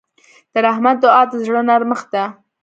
د رحمت دعا د زړه نرمښت ده.